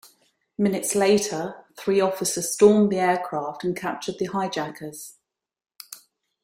Minutes later three officers stormed the aircraft and captured the hijackers.